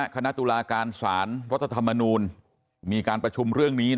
คณะตุลาการสารรัฐธรรมนูลมีการประชุมเรื่องนี้